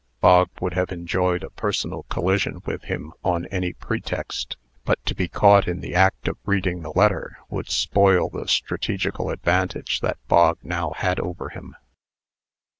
Bog would have enjoyed a personal collision with him on any pretext; but to be caught in the act of reading the letter, would spoil the strategical advantage that Bog now had over him.